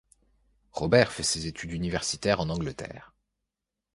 Robert fait ses études universitaires en Angleterre.